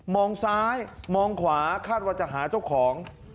ซ้ายมองขวาคาดว่าจะหาเจ้าของ